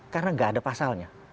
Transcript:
karena nggak ada pasalnya